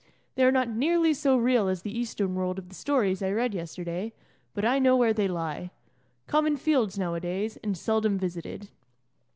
They are not nearly so real as the Eastern world of the stories I read yesterday, but I know where they lie common fields nowadays, and seldom visited.